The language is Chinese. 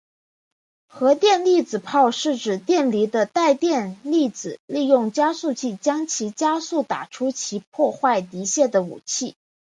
荷电粒子炮是指电离的带电粒子利用加速器将其加速打出以其破坏敌械的武器。